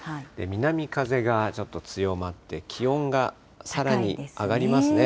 南風がちょっと強まって、気温がさらに上がりますね。